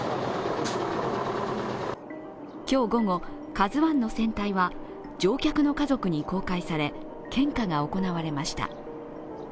今日午後、「ＫＡＺＵⅠ」の船体は乗客の家族に公開され献花が行われました。